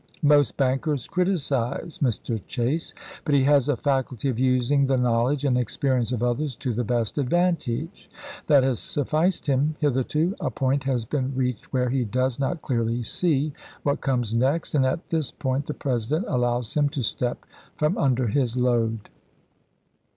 Most bankers criticize Mr. Chase, but he has a faculty of using the knowledge and experience of others to the best advantage ; that has sufficed him hitherto ; a point has been reached where he does not clearly see what comes next, and at this point the President allows him to step from under his dW. load."